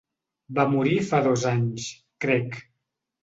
Va morir fa dos anys, crec.